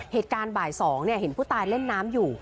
เหตุการณ์บ่าย๒เห็นผู้ตายเล่นน้ำอยู่